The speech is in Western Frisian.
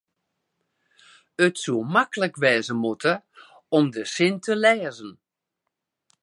it soe maklik wêze moatte om de sin te lêzen